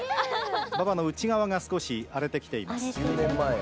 馬場の内側が少し荒れてきています。